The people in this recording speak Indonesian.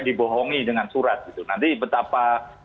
dibohongi dengan surat gitu nanti betapa